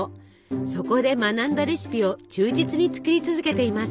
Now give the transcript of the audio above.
そこで学んだレシピを忠実に作り続けています。